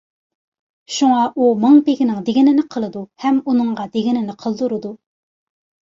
شۇڭا ئۇ مىڭبېگىنىڭ دېگىنىنى قىلىدۇ ھەم ئۇنىڭغا دېگىنىنى قىلدۇرىدۇ.